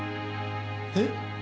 えっ？